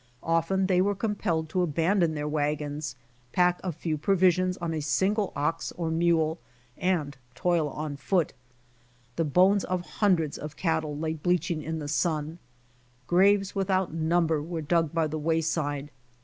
Often they were com pelled to abandon their wagons, pack a few provi sions on a single ox or mule, and toil on afoot. The bones of hundreds of cattle lay bleaching in the sun. Graves witiiout number were dug by the wayside.